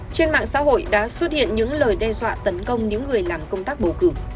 trên mạng xã hội đã xuất hiện những lời đe dọa tấn công những người làm công tác bầu cử